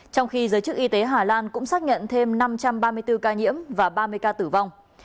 trong khi giới chức y tế hà lan cũng xác nhận thêm năm trăm ba mươi bốn ca nhiễm và ba mươi ca tử vong